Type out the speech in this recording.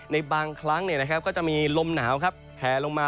ในบางครั้งก็จะมีลมหนาวแผลลงมา